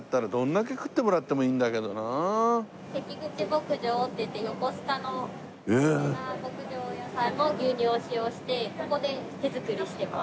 関口牧場っていって横須賀の有名な牧場さんの牛乳を使用してここで手作りしています。